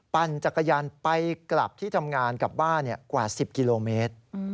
ปั่นจักรยานไปกลับที่ทำงานกับบ้านกว่า๑๐กิโลเมตร